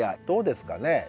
どうですかね。